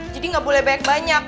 jadi gak boleh banyak banyak